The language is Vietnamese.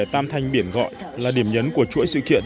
tam thanh biển gọi là điểm nhấn của chuỗi sự kiện